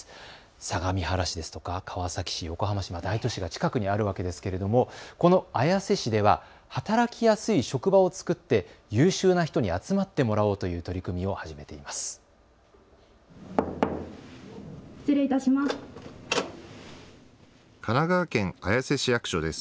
相模原市ですとか川崎市、横浜市、大都市が近くにあるわけですけれどもこの綾瀬市では働きやすい職場を作って優秀な人に集まってもらおうという取り組みを始めています。